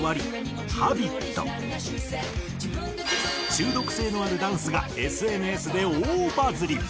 中毒性のあるダンスがＳＮＳで大バズり。